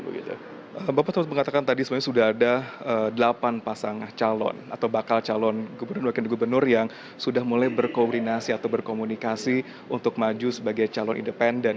bapak sempat mengatakan tadi sebenarnya sudah ada delapan pasang calon atau bakal calon gubernur dan wakil gubernur yang sudah mulai berkoordinasi atau berkomunikasi untuk maju sebagai calon independen